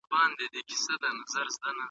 د مشر پریکړي څنګه پلي کیږي؟